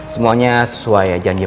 semuanya sesuai janji